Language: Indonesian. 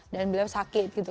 dan beliau sakit gitu